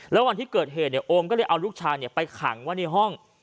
แล้ววันที่เกิดเหตุโอมก็เลยเอาลูกชายไปขังไว้ในห้อง